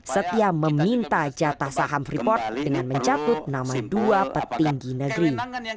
setia meminta jatah saham freeport dengan mencatut nama dua petinggi negeri